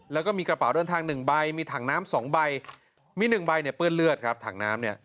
แล้วก็มีกระเป๋าเดินทาง๑ใบมีถังน้ำ๒ใบมี๑ใบเนี่ยเปื้อนเลือดครับถังน้ำเนี่ย